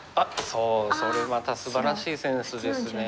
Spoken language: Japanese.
それまたすばらしいセンスですね。